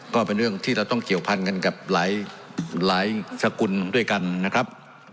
ก็เป็นเรื่องที่เราต้องเกี่ยวพันกันกับหลายสกุลด้วยกันนะครับ